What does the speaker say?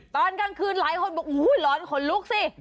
ตอนกลางคืนหลายคนบอกอุ้ยร้อนขนลุกสิ